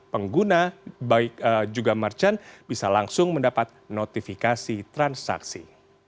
pengguna baik juga merchant bisa langsung mendapat notifikasi transaksi